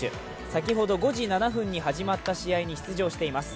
先ほど５時７分に始まった試合に出場しています。